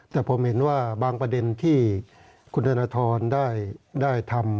แต่ผมเห็นว่าบางประเด็นที่คุณธนทรได้ทำ